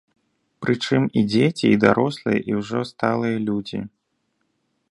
Прычым, і дзеці, і дарослыя, і ўжо сталыя людзі.